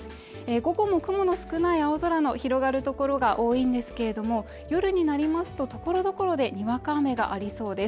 午後も雲の少ない青空の広がる所が多いんですけれども夜になりますとところどころでにわか雨がありそうです